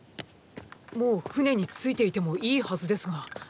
もう船に着いていてもいいはずですが。